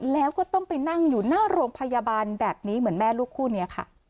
แล้วก็ต้องไปนั่งอยู่หน้าโรงพยาบาลแบบนี้เหมือนแม่ลูกคู่นี้ค่ะ